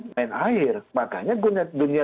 main air makanya dunia